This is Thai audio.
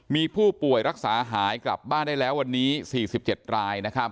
มีผู้ป่วยรักษาหายกลับบ้านได้แล้ววันนี้๔๗ราย